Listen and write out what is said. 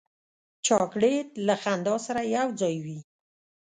چاکلېټ له خندا سره یو ځای وي.